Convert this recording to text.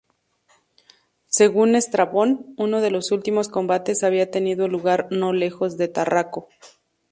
Según Estrabón uno de los últimos combates había tenido lugar no lejos de Tarraco.